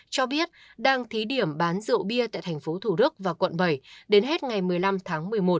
cho biết đang thí điểm bán rượu bia tại thành phố thủ đức và quận bảy đến hết ngày một mươi năm tháng một mươi một